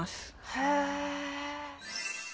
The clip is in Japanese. へえ。